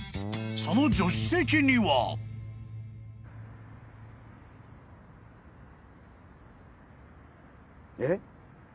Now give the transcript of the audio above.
その助手席には］えっ？